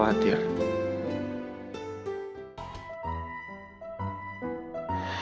tapi sungguh aku khawatir